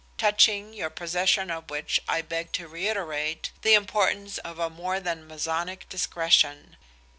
touching your possession of which I beg to reiterate the importance of a more than Masonic discretion.